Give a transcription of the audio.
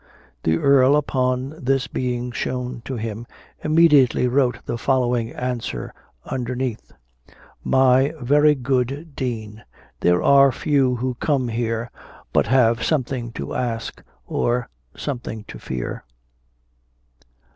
The Earl, upon this being shown to him, immediately wrote the following answer underneath: "My very good Dean, there are few who come here, But have something to ask, or something to fear."